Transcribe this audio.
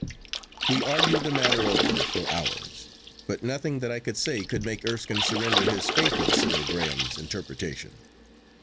We argued the matter over for hours, but nothing that I could say could make Erskine surrender his faith in Cyril Graham's interpretation.